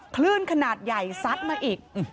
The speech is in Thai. คลื่นขนาดใหญ่ซัดมาอีก